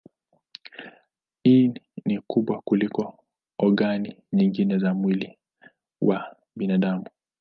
Ini ni kubwa kuliko ogani nyingine za mwili wa binadamu.